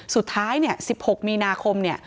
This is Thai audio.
สุดท้ายเนี่ย๑๖มีนาคมเนี่ย